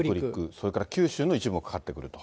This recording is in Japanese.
それから九州の一部もかかってくると。